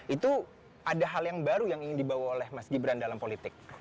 itu ada hal yang baru yang ingin dibawa oleh mas gibran dalam politik